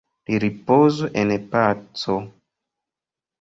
Li ripozu en paco!